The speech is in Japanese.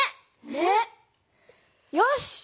ねっ！よし！